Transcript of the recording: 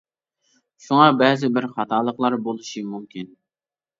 شۇڭا بەزى بىر خاتالىقلار بولۇشى مۇمكىن.